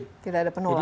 tidak ada penolakan ya